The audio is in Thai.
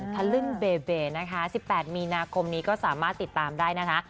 ทะลึ่งเบเบนะคะ๑๘มีนาคมนี้ก็สามารถติดตามได้นะคะ